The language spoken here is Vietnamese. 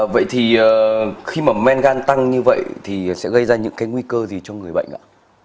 vậy thì khi mà men gan tăng như vậy thì sẽ gây ra những cái nguy cơ gì cho người bệnh ạ